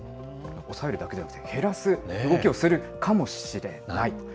抑えるだけではなくて、減らす動きをするかもしれない。